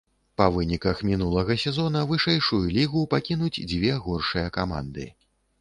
Па выніках мінулага сезона вышэйшую лігу пакінуць дзве горшыя каманды.